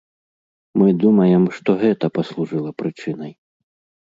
Мы думаем, што гэта паслужыла прычынай.